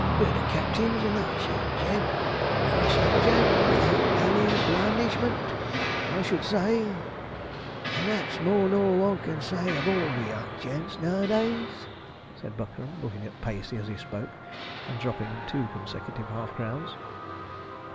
'But the captin's a nice young gent a nice young gent, without any blandishment, I should say; and that's more nor one can say of all young gents nowadays,' said Buckram, looking at Pacey as he spoke, and dropping two consecutive half crowns.